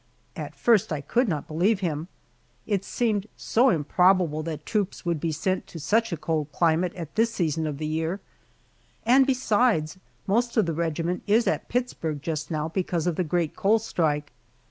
At first I could not believe him it seemed so improbable that troops would be sent to such a cold climate at this season of the year, and besides, most of the regiment is at Pittsburg just now because of the great coal strike.